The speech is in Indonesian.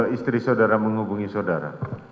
istri saudara menghubungi saudara